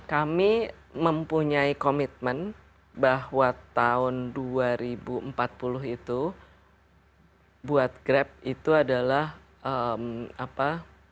kami mempunyai komitmen bahwa tahun dua ribu empat puluh itu buat grab itu adalah apa